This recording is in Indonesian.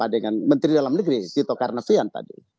dengan menteri dalam negeri tito karnavian tadi